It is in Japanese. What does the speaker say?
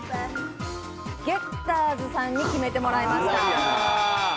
ゲッターズさんに決めてもらいました。